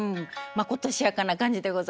まことしやかな感じでございます。